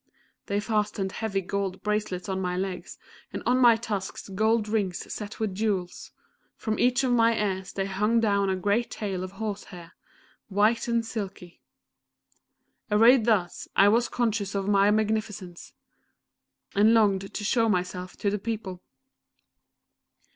They fastened heavy gold bracelets on my legs, and on my tusks gold rings set with jewels; from each of my ears there hung down a great tail of horse hair, white and silky. Arrayed thus, I was conscious of my magnificence, and longed to show myself to the People.